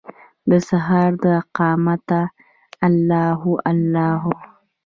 دسهار داقامته الله هو، الله هو